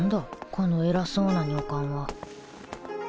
この偉そうな女官は